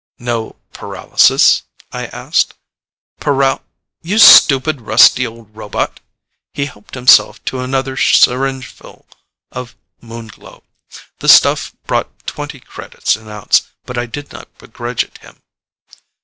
"No paralysis?" I asked. "Paral ? You stupid, rusty old robot!" He helped himself to another syringeful of Moon Glow. The stuff brought twenty credits an ounce, but I did not begrudge it him.